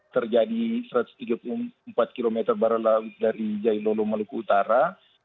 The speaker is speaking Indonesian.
terjadi satu ratus tiga puluh empat km barat laut dari jailolo maluku utara